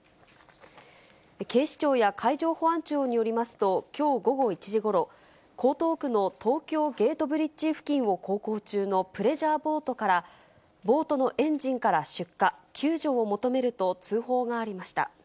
警視庁や海上保安庁によりますと、きょう午後１時ごろ、江東区の東京ゲートブリッジ付近を航行中のプレジャーボートから、ボートのエンジンから出火、救助を求めると通報がありました。